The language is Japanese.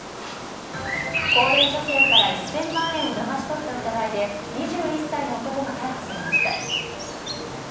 高齢女性から１０００万円をだまし取った疑いで２１歳の男が逮捕されました。